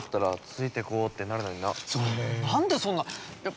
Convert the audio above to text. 何でそんなっ！